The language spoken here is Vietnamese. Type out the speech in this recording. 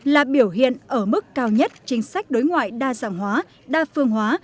là biểu hiện ở mức cao nhất chính sách đối ngoại đa dạng hóa đa phương hóa